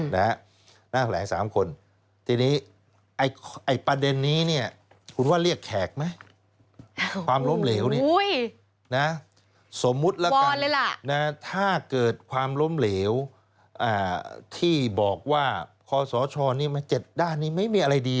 นั่นแหละไอ้๓คนทีนี้นี่นี่เนี่ยคุณว่าเรียกแขกไหม